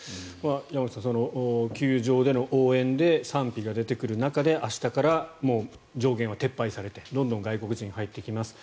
山口さん、球場での応援で賛否が出てくる中で明日からもう、上限は撤廃されてどんどん外国人が入ってきます。